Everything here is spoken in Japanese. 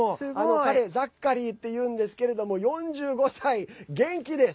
彼、ザッカリーっていうんですけれども４５歳、元気です。